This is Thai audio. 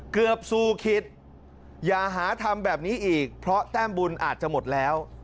เกือบสู้คิดอย่าหาทำแบบนี้อีกเพราะแต้มบุญอาจจะหมดแล้ว